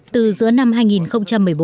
từ giữa năm hai nghìn một mươi bốn